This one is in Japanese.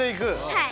はい。